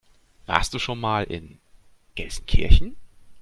Warst du schon mal in Gelsenkirchen?